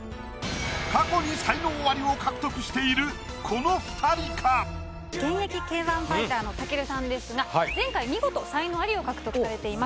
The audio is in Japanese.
過去に才能アリを獲得しているこの二人か⁉現役Ｋ−１ファイターの武尊さんですが前回見事才能アリを獲得されています。